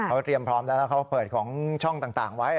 คุณพิธาเตรียมพร้อมแล้วเขาเปิดของช่องต่างไว้เนอะ